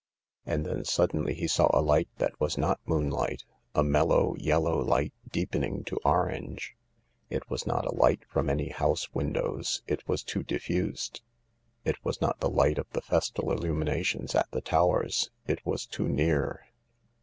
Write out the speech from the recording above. And then suddenly he saw a light that was not moon light—a mellow, yellow light deepening to orange. It was not the light from any house windows, it was too diffused. It was not the light of the festal illuminations at the Towers, it was too near.